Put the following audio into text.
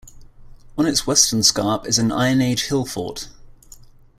On its western scarp is an Iron Age hill fort.